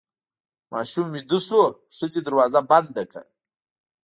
ماشوم ویده شو او ښځې دروازه بنده کړه.